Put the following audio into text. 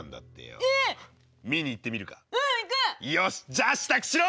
じゃあ支度しろ！